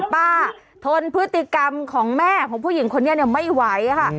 ทนพฤติกรรมของแม่ของผู้หญิงคนนี้ไม่ไหวค่ะ